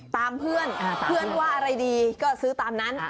ตามเพื่อนเพื่อนว่าอะไรดีก็ซื้อตามนั้น